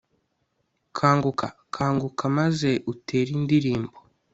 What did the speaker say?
kanguka, kanguka, maze utere indirimbo